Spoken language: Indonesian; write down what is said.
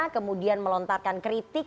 kemudian melontarkan kritik